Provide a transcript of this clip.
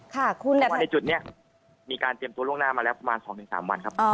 แต่ว่าในจุดนี้มีการเตรียมตัวล่วงหน้ามาแล้วประมาณ๒๓วันครับ